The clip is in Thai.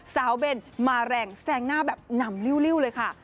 เบนมาแรงแซงหน้าแบบหนำริ้วเลยค่ะ